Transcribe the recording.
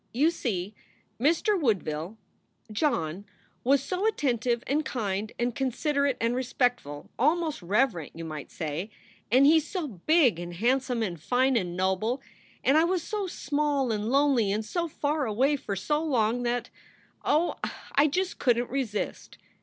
You see, Mr. Woodville John was so attentive and kind and considerate and respectful almost reverent, you might say and he s so big and handsome and fine and noble, and I was so small and lonely and so far away for so long that oh, I just couldent resist.